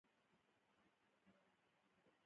منظور پښتون پښتانه فکري بيدار کړل.